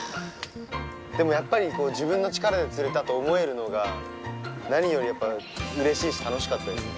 でもやっぱり自分の力で釣れたと思えるのが何よりやっぱうれしいし楽しかったですね。